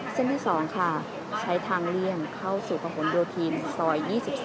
เส้นที่๒ค่ะใช้ทางเลี่ยงเข้าสู่ประหลโยธินซอย๒๒